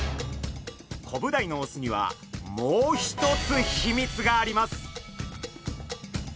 コブダイのオスにはもう一つ秘密があります。